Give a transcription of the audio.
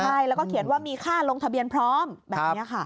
ใช่แล้วก็เขียนว่ามีค่าลงทะเบียนพร้อมแบบนี้ค่ะ